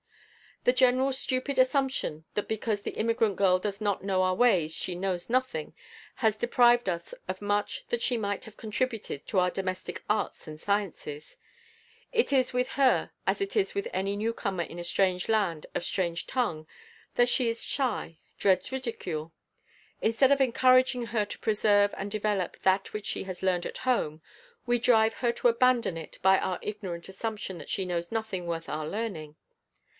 The general stupid assumption that because the immigrant girl does not know our ways she knows nothing, has deprived us of much that she might have contributed to our domestic arts and sciences. It is with her as it is with any newcomer in a strange land of strange tongue she is shy, dreads ridicule. Instead of encouraging her to preserve and develop that which she has learned at home, we drive her to abandon it by our ignorant assumption that she knows nothing worth our learning.